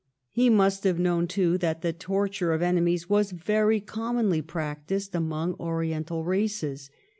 He must have known, too, that the tort ure of enemies was very commonly practised among Oriental races.